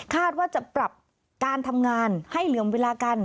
ว่าจะปรับการทำงานให้เหลื่อมเวลากัน